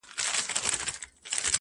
هغه مړ له مــسته واره دى لوېـدلى؛